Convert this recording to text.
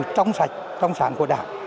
tống sạch tống sản của đảng